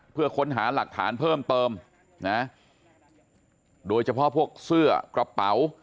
เพื่อค้นหาหลักฐานเพิ่มเติมนะโดยเฉพาะพวกเสื้อกระเป๋า